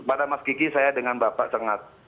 pada mas kiki saya dengan bapak sangat appreciate